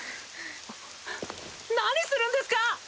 何するんですか！